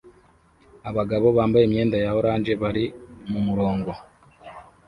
Abagabo bambaye imyenda ya orange bari mumurongo